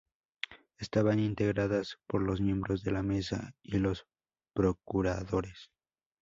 Estaban integradas por los miembros de la Mesa y los Procuradores.